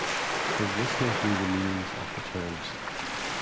His listeners knew the meanings of the terms.